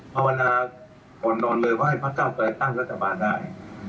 ภาวนาอ่อนนอนเลยว่าให้พักเก้าไกลตั้งรัฐบาลได้